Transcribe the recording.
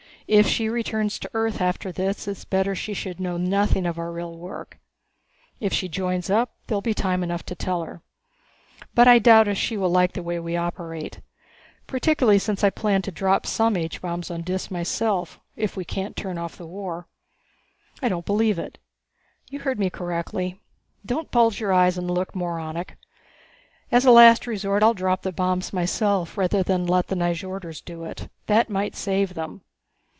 If she returns to Earth after this it's better that she should know nothing of our real work. If she joins up, there'll be time enough to tell her. But I doubt if she will like the way we operate. Particularly since I plan to drop some H bombs on Dis myself if we can't turn off the war." "I don't believe it!" "You heard me correctly. Don't bulge your eyes and look moronic. As a last resort I'll drop the bombs myself rather than let the Nyjorders do it. That might save them."